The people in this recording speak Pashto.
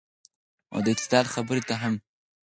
نو د اعتدال خبرې ته هم